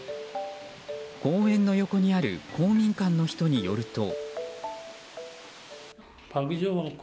公園の横にある公民館の人によると。